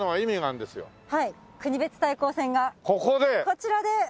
こちらで！